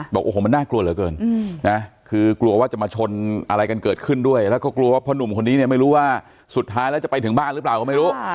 บอกโอ้โหมันน่ากลัวเหลือเกินนะคือกลัวว่าจะมาชนอะไรกันเกิดขึ้นด้วยแล้วก็กลัวว่าพ่อหนุ่มคนนี้เนี่ยไม่รู้ว่าสุดท้ายแล้วจะไปถึงบ้านหรือเปล่าก็ไม่รู้